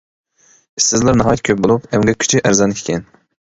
ئىشسىزلار ناھايىتى كۆپ بولۇپ، ئەمگەك كۈچى ئەرزان ئىكەن.